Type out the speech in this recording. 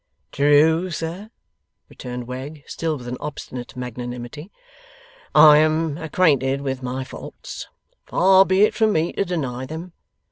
'True, sir,' returned Wegg, still with an obstinate magnanimity. 'I am acquainted with my faults. Far be it from me to deny them.